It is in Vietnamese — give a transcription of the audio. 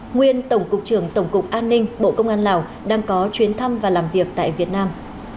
nguyên tổng cục trưởng tổng cục an ninh bộ công an lào đang có chuyến thăm và làm việc tại việt nam